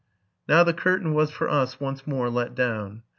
Now the curtain was for us once more let down.